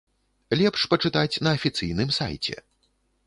Лепш пачытаць на афіцыйным сайце.